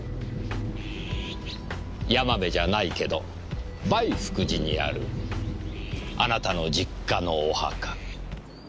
「山部じゃないけど梅福寺にあるあなたの実家のお墓」